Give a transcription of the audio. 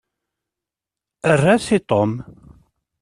Err-as i Tom.